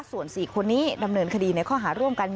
ส่วน๔คนนี้ดำเนินคดีในข้อหาร่วมกัน